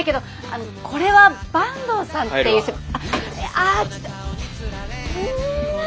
あっちょっとん。